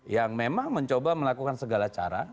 yang memang mencoba melakukan segala cara